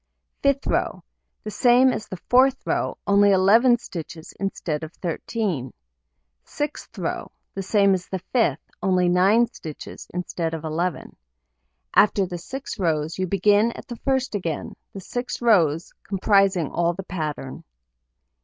Fifth row: The same as the fourth row, only 11 stitches instead of 13. Sixth row: The same as the fifth, only 9 stitches instead of 11. After the 6 rows, you begin at the first again, the 6 rows comprising all the pattern.